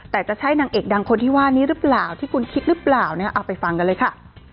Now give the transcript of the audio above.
แต่จะใช่นางเอกดังคนที่ว่านี้หรือเปล่าที่คุณคิดหรือเปล่านะเอาไปฟังกันเลยค่ะ